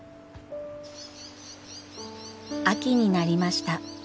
秋になりました。